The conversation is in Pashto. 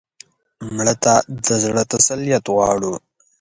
مړه ته د زړه تسلیت غواړو